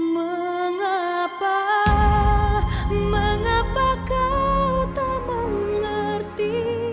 mengapa mengapa kau tak mengerti